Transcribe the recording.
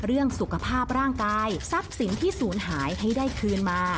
เรื่องสุขภาพร่างกายทรัพย์สินที่ศูนย์หายให้ได้คืนมา